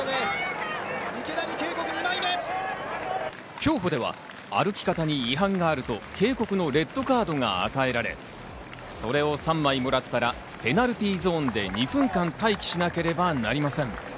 競歩では歩き方に違反があると警告のレッドカードが与えられ、それを３枚もらったら、ペナルティーゾーンで２分間待機しなければなりません。